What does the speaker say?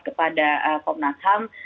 kepada komnas ham